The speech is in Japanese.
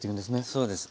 そうです。